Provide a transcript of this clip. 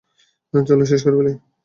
চল, শেষ করে ফেল।